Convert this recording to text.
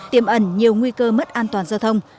tiêm ẩn nhiều nguy cơ mất an toàn giao thông